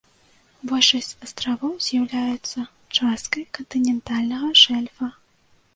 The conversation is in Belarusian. Большасць астравоў з'яўляюцца часткай кантынентальнага шэльфа.